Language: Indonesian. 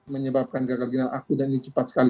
menyebabkan gagal jenis akut dan ini cepat sekali